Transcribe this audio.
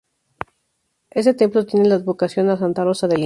Este templo tiene la advocación a Santa Rosa de Lima.